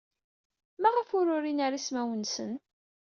Maɣef ur urin ara ismawen-nsen?